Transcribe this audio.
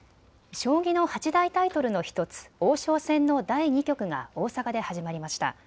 将棋の八大タイトルの１つ、王将戦の第２局が大阪で始まりました。